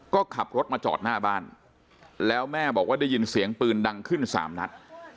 ก็ขับรถมาจอดหน้าบ้านแล้วแม่บอกว่าได้ยินเสียงปืนดังขึ้นสามนัด